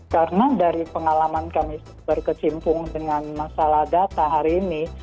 karena dari pengalaman kami berkecimpung dengan masalah data hari ini